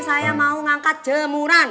saya mau ngangkat jemuran